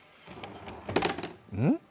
うん？